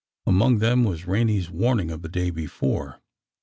Among them was Rene's warning of the day before.